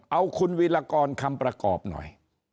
เอาคุณวิรากรคำประกอบหน่อย